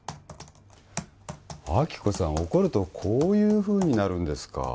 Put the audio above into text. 亜希子さん怒るとこういうふうになるんですか